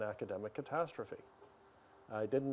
dan pada tahun itu